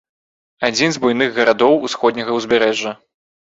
Адзін з буйных гарадоў ўсходняга ўзбярэжжа.